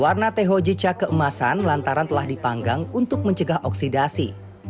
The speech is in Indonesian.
warna tehojica keemasan lantaran telah dipanggang untuk mencegah oksidasi